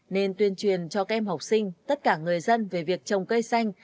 nên tuyên truyền cho các em học sinh tất cả người dân về việc trồng cây xanh